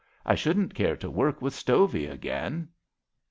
' I shouldn't care to work with Stovey again."